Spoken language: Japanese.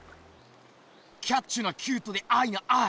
キャッチュなキュートでアイがアイ！